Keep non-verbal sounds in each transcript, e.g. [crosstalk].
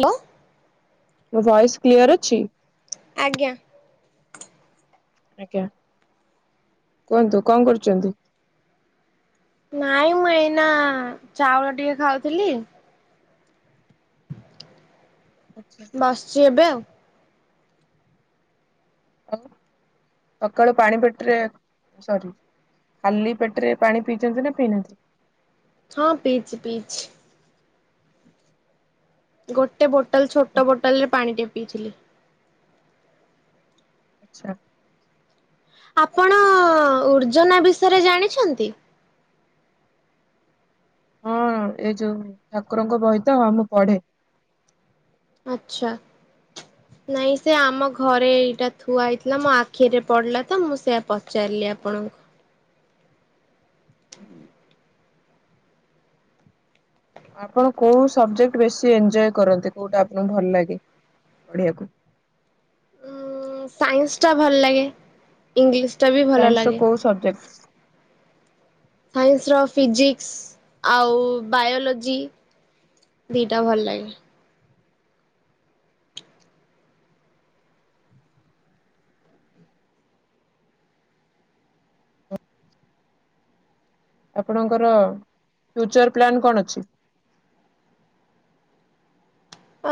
Hello. Voice clear ଅଛି? ଆଜ୍ଞା। ଆଜ୍ଞା କୁହନ୍ତୁ କଣ କରୁଚନ୍ତି? ନାଇଁ ମୁଁ ଏଇନା ଚାଉଳ ଟିକେ ଖାଉଥିଲି। ଆଛା ବସିଚି ଏବେ ଆଉ। ସକାଳୁ ପାଣି ପେଟରେ ସୋରି। ଖାଲି ପେଟେରେ ପାଣି ପିଇଚନ୍ତି ନା ପିଇନାହାନ୍ତି। ହଁ ପିଇଚି ପିଇଚି। [inaudible] ଗୋଟେ ବୋଟଲ୍ ଛୋଟ ବୋଟଲ୍ ରେ ପାଣି ଟିକେ ପିଇଥିଲି। ଆଚ୍ଛା। ଆପଣ ଉର୍ଜନା ବିଷୟରେ ଜାଣିଛନ୍ତି? ହଁ ଏଇ ଯୋଉ ଠାକୁରଙ୍କ ବହି ତ ହଁ ମୁଁ ପଢ଼େ। ଆଚ୍ଛା। ନାଇଁ ସେ ଆମ ଘରେ ଏଇଟା ଥୁଆ ହେଇଥିଲା ମୋ ଆଖିରେ ପଡିଲା ତ ମୁଁ ସେୟା ପଚାରିଲି। ଆପଣଙ୍କୁ। [unintelligible] ଆପଣ କୋଉ ସବଜେକ୍ଟ ବେଶୀ ଏଞ୍ଜୟ୍ କରନ୍ତି କୋଉଟା ଆପଣଙ୍କୁ ଭଲ ଲାଗେ। ପଢ଼ିବାକୁ। ଉଁ ସାଇନ୍ସ ଟା ଭଲ ଲାଗେ ଇଂଲିସ୍ ସାଇନ୍ସ ର କୋଉ ସବଜେକ୍ଟ? ସାଇନ୍ସ ର ଫିଜିକ୍ସ ଆଉ ବାୟୋଲୋଜି। ଦି ଟା ଭଲ ଲାଗେ। ଆପଣଙ୍କର ଫ୍ୟୁଚର୍ ପ୍ଲାନ୍ କଣ ଅଛି? [inaudible]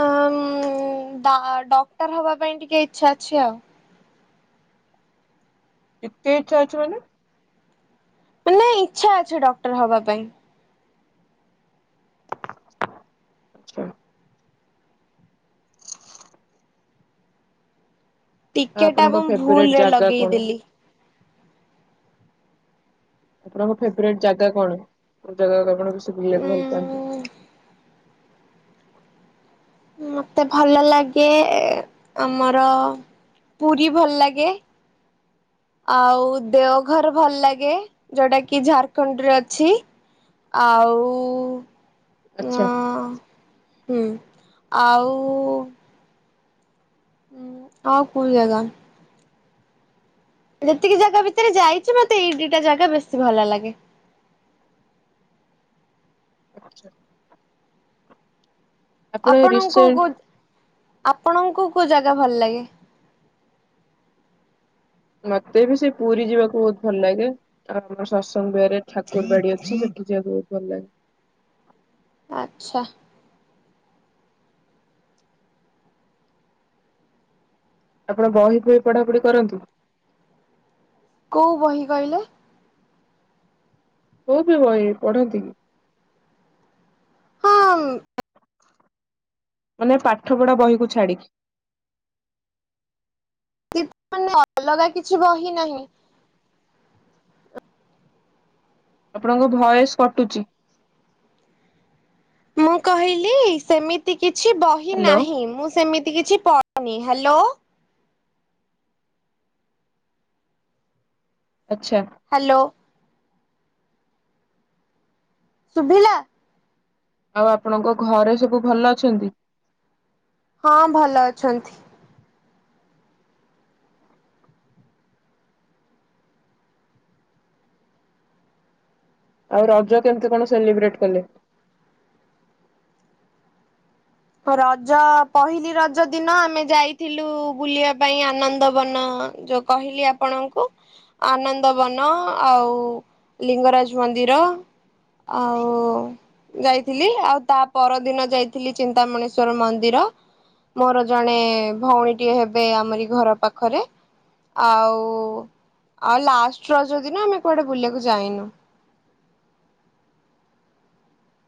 ଉଁ ଡକ୍ ଡକ୍ଟର ହବା ପାଇଁ ଟିକେ ଇଚ୍ଛା ଅଛି ଆଉ। କେତେ ଇଚ୍ଛା ଅଛି ମାନେ? ମାନେ ଇଚ୍ଛା ଅଛି ଡକ୍ଟର ହବା ପାଇଁ। ଆଚ୍ଛା। ଟିକେ ଟା ଆପଣଙ୍କ ମୁଁ ଫେବରେଟ ଭୁଲରେ ଜାଗା କଣ? ଲଗେଇଦେଲି। ଆପଣଙ୍କ ଫେବ୍ରାଇଟ୍ ଜାଗା କଣ କୋଉ ଜାଗାକୁ ଆପଣ ବେଶୀ ଉଁ ବୁଲିବାକୁ ଭଲ ପାଆନ୍ତି? ମତେ ଭଲ ଲାଗେ ଆମର ପୁରୀ ଭଲ ଲାଗେ। ଆଉ ଦେଓଘର ଭଲ ଲାଗେ, ଯୋଉଟା କି ଝାରଖଣ୍ଡରେ ଅଛି। ଆଉ ଆଛା ହଁ ହୁଁ ଆଉ ହୁଁ ଆଉ କଉ ଜାଗା?? ଯେତିକି ଜାଗା ଭିତରେ ଯାଇଚି, ମତେ ଏଇ ଦିଟା ଜାଗା ବେଶୀ ଭଲ ଲାଗେ। [inaudible] ଆଛା। ଆପଣଙ୍କୁ କଉ କଉ ଆପଣଙ୍କୁ କୋଉ ଜାଗା ଭଲ ଲାଗେ? ମତେ ବି ସେ ପୁରୀ ଯିବାକୁ ବହୁତ ଭଲ ଲାଗେ ଆଉ ଆମର ସତ୍ସଙ୍ଗ ବିହରେ ଠାକୁର ବାଡି ଅଛି। କି ଯିବାକୁ ବହୁତ ଭଲ ଲାଗେ। ଆଚ୍ଛା। ଆପଣ ବହି ଫହି ପଢାପଢି କରନ୍ତି? କୋଉ ବହି କହିଲେ? କଉ ବି ବହି ପଢ଼ନ୍ତି କି? ହଁ ମାନେ ପାଠପଢା ବହିକୁ ଛାଡିକି। ଦିଦି ମାନେ ଅଲଗା କିଛି ବହି ନାହିଁ। ଆପଣଙ୍କ ଭୟସ କଟୁଚି। ମୁଁ କହିଲି ସେମିତି କିଛି ବହି ହ୍ୟାଲୋ ନାହିଁ ମୁଁ ସେମିତି କିଛି ପନି ହ୍ୟାଲୋ। ଆଚ୍ଛା। ହ୍ୟାଲୋ ଶୁଭିଲା? ଆଉ ଆପଣଙ୍କ ଘରେ ସବୁ ଭଲ ଅଛନ୍ତି? ହଁ ଭଲ ଅଛନ୍ତି। ଆଉ ରଜ କେମିତି କଣ ସେଲିବ୍ରେଟ କଲେ? ରଜ ପହିଲି ରଜ ଦିନ ଆମେ ଯାଇଥିଲୁ ବୁଲିବା ପାଇଁ ଆନନ୍ଦ ବନ ଯୋଉ କହିଲି ଆପଣଙ୍କୁ ଆନନ୍ଦ ବନ ଆଉ ଲିଙ୍ଗରାଜ ମନ୍ଦିର ଆଉ ଯାଇଥିଲି ଆଉ ତା ପରଦିନ ଯାଇଥିଲି ଚିନ୍ତାମଣେଶ୍ଵର ମନ୍ଦିର ମୋର ଜଣେ ଭଉଣୀ ଟିଏ ହେବେ ଆମରି ଘର ପାଖରେ ଆଉ ଆଉ ଲାଷ୍ଟ ରଜ ଦିନ ନା ଆମେ କୁଆଡେ ବୁଲିବାକୁ ଯାଇନୁ।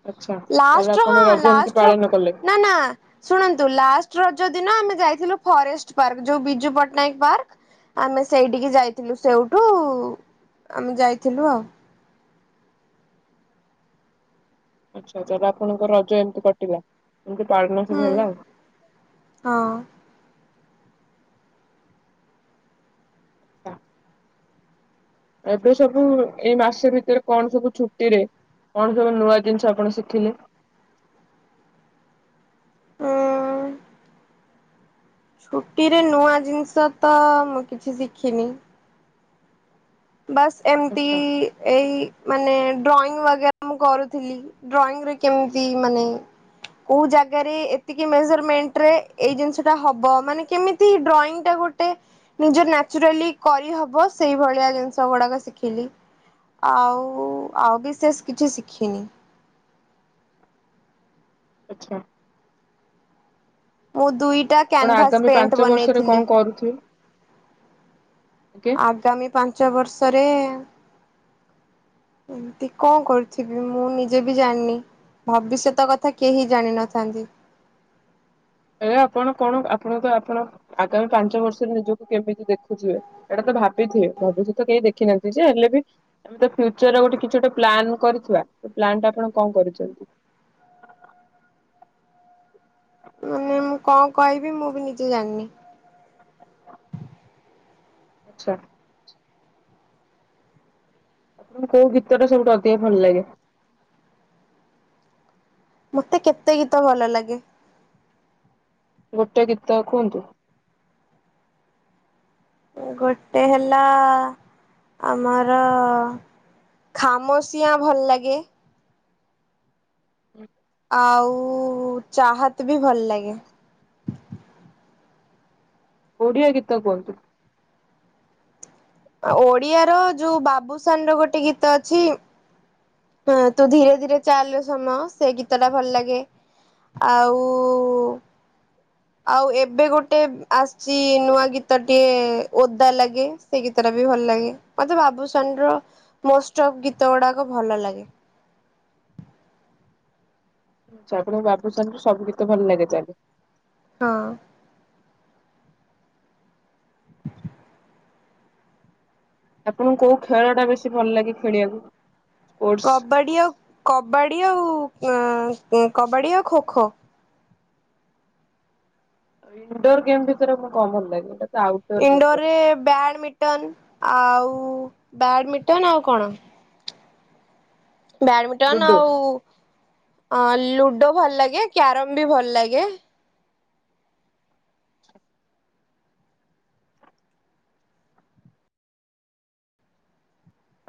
ଆଚ୍ଛା ତାହେଲେ ଲାଷ୍ଟ ର ଆପଣ ହଁ ରଜ ଏମିତି ଲାଷ୍ଟ ପାଳନ କଲେ ର ନା ନା ଶୁଣନ୍ତୁ ଲାଷ୍ଟର ଜ ଦିନ ଆମେ ଯାଇଥିଲୁ ଫରେଷ୍ଟ ପାର୍କ ଯୋଉ ବିଜୁ ପଟ୍ଟନାୟକ ପାର୍କ ଆମେ ସେଇଠିକି ଯାଇଥିଲୁ ସେଇଠୁ ଆମେ ଯାଇଥିଲୁ ଆଉ। ଆଚ୍ଛା ତାହାଲେ ଆପଣଙ୍କ ରଜ ଏମିତି କଟିଲା? ମୁଁ ତ ପାଳି ନଥିଲି ହୁଁ ହେଲା ଆଉ ହଁ ଆଚ୍ଛା। ଏବେ ସବୁ ଏଇ ମାସ ଭିତରେ କଣ ସବୁ ଛୁଟି ରେ କଣ କେବେ ନୂଆ ଜିନିଷ ଆପଣ ଶିଖିଲେ? ଉଁ ଛୁଟିରେ ନୂଆ ଜିନିଷ ତ ମୁଁ କିଛି ଶିଖିନି। ବାସ୍ ଏମିତି ଆଚ୍ଛା ଏଇ ମାନେ ଡ୍ରଇଂ ୱାଗା ମୁଁ କରୁଥିଲି ଡ୍ରଇଂ ରେ କେମିତି ମାନେ କୋଉ ଜାଗାରେ ଏତିକି ମେଜରମେଣ୍ଟରେ ଏଇ ଜିନିଷଟା ହବ ମାନେ କେମିତି ଡ୍ରଂଇଁ ଟା ଗୋଟେ ନିଜ ନାଚୁରାର୍ଲି କରିହବ ସେଇ ଭଳିଆ ଜିଷ ସ ଗୁଡାକ ଶିଖିଲି ଆଉ ଆଉ ବିସେଷ କିଛି ଶିଖିନି। [inaudible] ଆଚ୍ଛା। ମୁଁ ଦୁଇଟା ଆପଣ କ୍ୟାନଭାସ୍ ଆଗାମୀ ପାଞ୍ଚ ପେଣ୍ଟ ବର୍ଷରେ କଣ ବନେଇଥିଲି। କରୁଥିବେ? ଆଜ୍ଞା ଆଗାମୀ ପାଞ୍ଚ ବର୍ଷରେ [inaudible] ଏମତି କଣ କରୁଥିବି ମୁଁ ନିଜେ ବି ଜାଣିନି। ଭବିଷ୍ୟତ କଥା କେହି ଜାଣିନଥାନ୍ତି। ଏ ଆପଣ କଣ ଆପଣ ତ ଆପଣ ଆଗାମୀ ପାଞ୍ଚ ବର୍ଷରେ ନିଜକୁ କେମିତି ଦେଖୁଥିବେ ଏଇଟା ତ ଭାବିଥିବେ ଭବିଷ୍ୟତ କେହି ଦେଖି ନାହାନ୍ତି ଯେ ହେଲେ ବି ଆମେ ତ ଫ୍ୟୁଚର ଗୋଟେ କିଛି ଗୋଟେ ପ୍ଲାନ୍ କରିଥିବା। ପ୍ଲାନ୍ ଟା ଆପଣ କଣ କରିଛନ୍ତି? ମାନେ ମୁଁ କଣ କହିବି ମୁଁ ବି ନିଜେ ଜାଣିନି। [inaudible] ଆଚ୍ଛା। ଆପଣଙ୍କୁ କୋଉ ଗୀତ ଟା ସବୁଠୁ ଅଧିକ ଭଲ ଲାଗେ? ମତେ କେତେ ଗୀତ ଭଲ ଲାଗେ। ଗୋଟେ ଗୀତ କୁହନ୍ତୁ? ଗୋଟେ ହେଲା ଆମର ଖାମୋସିଆଁ ଭଲ ଲାଗେ [inaudible] ଆଉ ଚାହାତ ବି ଭଲ ଲାଗେ। ଓଡ଼ିିଆ ଗୀତ କୁହନ୍ତୁ? ଆ ଓଡିଆ ର ଯୋଉ ବାବୁସାନ ର ଗୋଟେ ଗୀତ ଅଛି ହଁ ତୁ ଧୀରେ ଧୀରେ ଚାଲରେ ସମୟ ସେ ଗୀତ ଟା ଭଲ ଲାଗେ। ଆଉ ଆଉ ଏବେ ଗୋଟେ ଆସିଚି ନୂଆ ଗୀତ ଟିଏ ଓଦା ଲାଗେ ସେଇ ଗୀତଟା ବି ଭଲ ଲାଗେ ମତେ ବାବୁସାନର ମୋଷ୍ଟ ଅଫ ଗୀତ ଗୁଡାକ ଭଲ ଲାଗେ। [inaudible] ଆଛା ଆପଣଙ୍କୁ ବାବୁଶାନ୍ ଙ୍କୁ ସବୁ ଗୀତ ଭଲ ଲାଗେ ତାହାଲେ। ହଁ। ଆପଣଙ୍କୁ କୋଉ ଖେଳ ଟା ବେଶୀ ଭଲ ଲାଗେ ଖେଳିବାକୁ? ସ୍ପୋର୍ଟସ? କବାଡି ଆଉ କବାଡି ଆଉ ଉଁ ଉଁ କବାଡି ଆଉ ଖୋ ଖୋ। ଇଣ୍ଡୋର ଗେମ୍ ଭିତରେ କଣ ଭଲ ଲାଗେ ଗୋଟା? ଇଣ୍ଡୋର ରେ ବ୍ୟାଡମିଣ୍ଟନ ଆଉ ଉ ବ୍ୟାଡ଼ମିଣ୍ଟନ ଆଉ କଣ? ବ୍ୟାଡମିଣ୍ଟନ ଲୁଡୋ ଆଉ ଅ ଲୁଡୋ ଭଲ ଲାଗେ କ୍ୟାରମ ବି ଭଲ ଲାଗେ।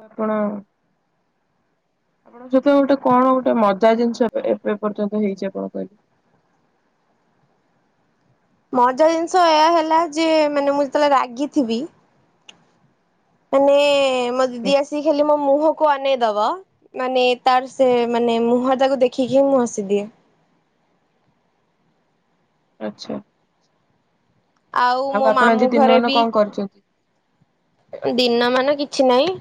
ଆପଣ ଆପଣଙ୍କ ସହିତ ଗୋଟେ କଣ ଗୋଟେ ମଜା ଜିନିଷ ଏବେ ଏବେ ପର୍ଯ୍ୟନ୍ତ ହେଇଚି ଆପଣ କହିଲେ। [inaudible] ମଜା ଜିନିଷ ଏଇଆ ହେଲା ଯେ ମାନେ ମୁଁ ଯେତେବେଳେ ରାଗିଥିବି ମାନେ ମୋ ଆଜ୍ଞା ଦିଦି ଆସି ହେଲି ମୋ ମୁହଁ କୁ ଅନେଇଦବ ମାନେ ତାର ସେ ମାନେ ମୁହଁ ଟାକୁ ଦେଖିକି ହି ମୁଁ ହସିଦିଏ। [inaudible] ଆଚ୍ଛା। ଆଉ ମୋ ଆପଣ ଆଜି ମାମୁଁ ଘରେ ଦିନମାନ ବି କଣ କରିଛନ୍ତି? ଦିନ ମାନ କିଛି ନାହିଁ।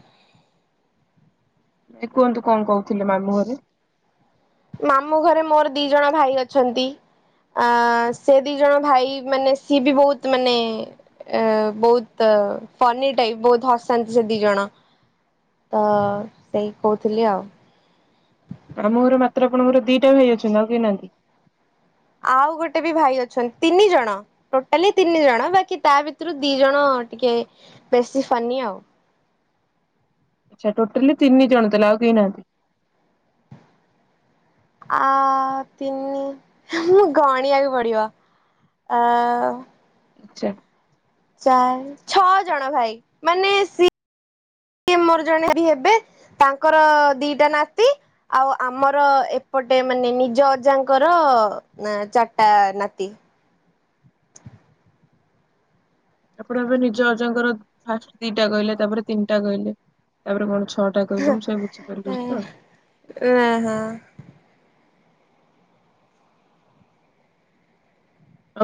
ଏ କୁହନ୍ତୁ କଣ କହୁଥିଲେ ମାମୁଁ ଘରେ ମାମୁଁ ଘରେ ମୋର ଦି ଜଣ ଭାଇ ଅଛନ୍ତି। ଆ ସେ ଦି ଜଣ ଭାଇ ମାନେ ସି ବି ବହୁତ ମାନେ ଅ ବହୁତ ତାର ଅ ଫନି ଟାଇପ ବହୁତ ହସାନ୍ତି ସେ ଦି ଜଣ। ତ ସେଇ କହୁଥିଲି ଆଉ। ମାମୁଁ ଘର ମାତ୍ର ଆପଣଙ୍କର ଦିଟା ଭାଇ ଅଛନ୍ତି ଆଉ କେହିନାହାନ୍ତି? ଆଉ ଗୋଟେ ବି ଭାଇ ଅଛନ୍ତି ତିନି ଜଣ ଟୋଟାଲି ତିନି ଜଣ ବାକି ତା ଭିତରୁ ଦି ଜଣ ହଁ ଟିକେ ବେଶୀ ଫନି ଆଉ। [inaudible] ଟୋଟଲି ତିନି ଜଣ ତାହାଲେ ଆଉ କେହି ନାହାନ୍ତି। ଆ ତିନି ମୁଁ ଗଣିଆକୁ ପଡିବ। ଆ ଆଛା। ଚାରି ଛଅ ଜଣ ଭାଇ ମାନେ ସି ଏମୋର ଜଣେ ବି ହେବେ ତାଙ୍କର ଦିଟା ନାତି ଆଉ ଆମର ଏ ପଟେ ମାନେ ନିଜ ଅଜାଙ୍କର ନା ଚାର୍ ଟା ନାତି। ଆପଣ ଏବେ ନିଜ ଅଜାଙ୍କର ଫାଷ୍ଟ୍ ଦିଟା କହିଲେ। ତାପରେ ତିନିଟା କହିଲେ। ତାପରେ କଣ? ଛଟା କହିଲେ ମୁଁ ସେଟା ବୁଝିପାରିଲୀନି ତ।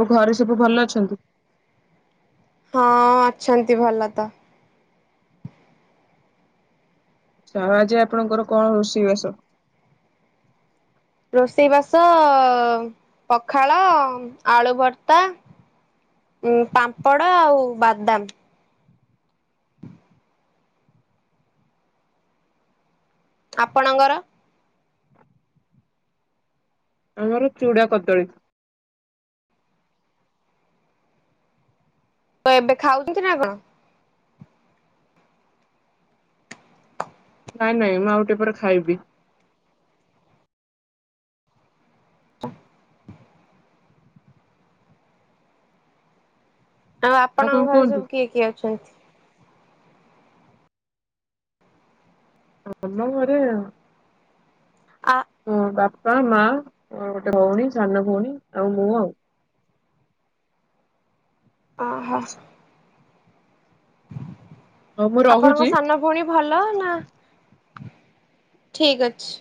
ଆଉ ଘରେ ସବୁ ଭଲ ଅଛନ୍ତି। ହଁ ଅଛନ୍ତି ଭଲ ତ। ଆଛା ଆଜି ଆପଣଙ୍କର କଣ ରୋଷେଇବାସ? ରୋଷେଇ ବାସ ପଖାଳ, ଆଳୁ ଭର୍ତ୍ତା। ଉଁ ପାମ୍ପଡ ଆଉ ବାଦାମ୍। [inaudible] ଆପଣଙ୍କର? ଆମର ଚୁଡା କଦଳୀ। ତ ଏବେ ଖାଉଚନ୍ତି ନା କଣ? ନାଇଁ ନାଇଁ ମୁଁ ଆଉ ଟିକେ ପରେ ଖାଇବି। ଆଉ କଣ ଆପଣଙ୍କ ଘରେ କୁହନ୍ତୁ? ସବୁ କିଏ କିଏ ଅଛନ୍ତି? ଆମ ଘରେ ଆ ମୋ ବା ପା ମା ଅଁ ଗୋଟେ ଭଉଣୀ, ସାନ ଭଉଣୀ, ଆଉ ମୁଁ ଆଉ। ଓ ହୋ। ହଉ ମୁଁ ଆପଣଙ୍କ ରହୁଛି। ସାନ ଭଉଣୀ ଭଲ ନା। ଠିକ ଅଛି।